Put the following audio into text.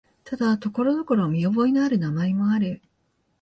ただ、ところどころ見覚えのある名前もある。